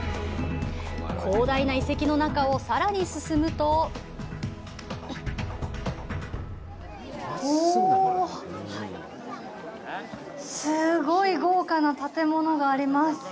広大な遺跡の中をさらに進むとうぉ、すごい豪華な建物があります！